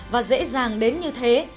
và dễ dàng đến như thế